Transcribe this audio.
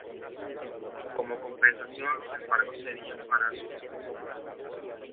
Como compensación, los embargos serían para su exclusivo beneficio.